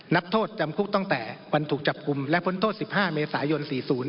นับโทษจำคุกตั้งแต่วันถูกจับกลุ่มและพ้นโทษ๑๕เมษายน๔๐